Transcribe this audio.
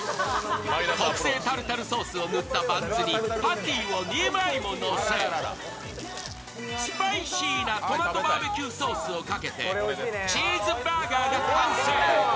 特製タルタルソースを塗ったバンズにパティを２枚ものせ、スパイシーなトマトバーベキューソースをかけてチーズバーガーが完成。